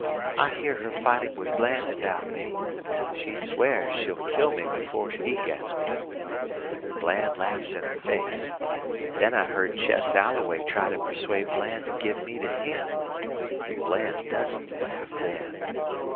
I hear her fighting with Bland about me. She swears she'll kill me before he gets me. And Bland laughs in her face. Then I've heard Chess Alloway try to persuade Bland to give me to him. But Bland doesn't laugh then.